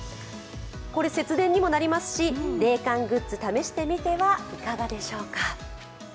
これ節電にもなりますし、冷感グッズ試してみてはいかがでしょうか。